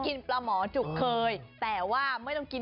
กินปลาหมอจุกเคยแต่ว่าไม่ต้องกิน